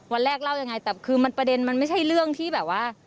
วันแรกเล่ายังไงแต่คือมันประเด็นมันไม่ใช่เรื่องที่แบบว่า